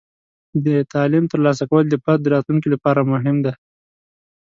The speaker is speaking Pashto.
د تعلیم ترلاسه کول د فرد د راتلونکي لپاره مهم دی.